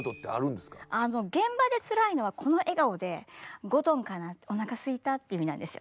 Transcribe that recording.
現場でつらいのはこの笑顔で「ゴトム・ナ・アコ」「おなかすいた」っていう意味なんです。